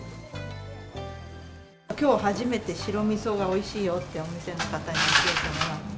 きょう初めて白みそがおいしいよって、お店の方に教えてもらって。